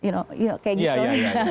you know kayak gitu